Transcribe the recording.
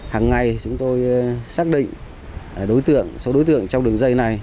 hàng ngày chúng tôi xác định đối tượng số đối tượng trong đường dây này